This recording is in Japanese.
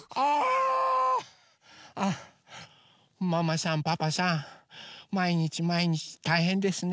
ママさんパパさんまいにちまいにちたいへんですね。